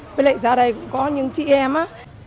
với lại ra đây cũng có những chị em á